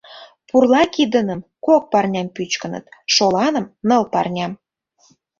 Пурла кидыным кок парням пӱчкыныт, шоланым — ныл парням...